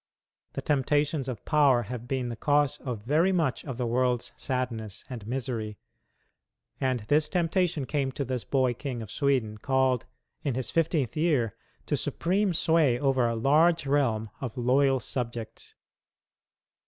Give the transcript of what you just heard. The temptations of power have been the cause of very much of the world's sadness and misery. And this temptation came to this boy King of Sweden called in his fifteenth year to supreme sway over a large realm of loyal subjects.